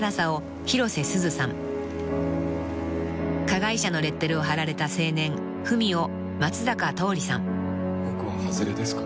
［加害者のレッテルを貼られた青年文を松坂桃李さん］